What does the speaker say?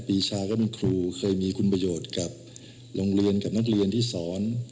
ปีชาก็เป็นครูเคยมีคุณประโยชน์กับโรงเรียนกับนักเรียนที่สอน